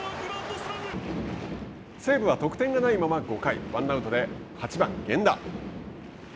西武は得点がないまま５回ワンアウトで８番源田。